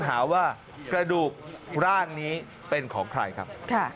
หาว่ากระดูกร่างนี้เป็นของใครครับ